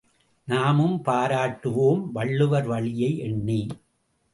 நாமும் பாராட்டுவோம் வள்ளுவர் வழியை எண்ணி!